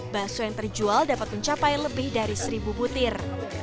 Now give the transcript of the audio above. bakso yang terjual dapat mencapai lebih dari seribu butir